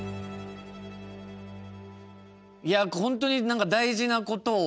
いや本当に何か大事なことを学んでますね。